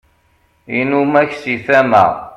inumak si tama